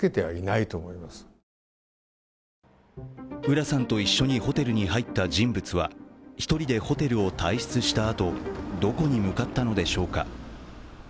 浦さんと一緒にホテルに入った人物は１人でホテルを退室したあとどこに向かったのでしょうか。